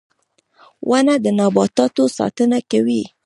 • ونه د نباتاتو ساتنه کوي.